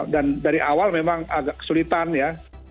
dan dari awal memang agak kesulitan ya